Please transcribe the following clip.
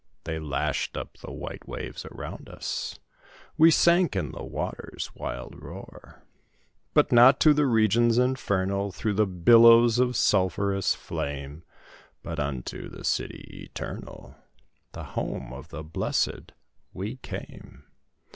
They lashed up the white waves around us, We sank in the waters' wild roar; But not to the regions infernal, Through billows of sulphurous flame, But unto the City Eternal, The Home of the Blesséd, we came.